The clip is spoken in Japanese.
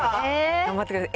頑張ってください。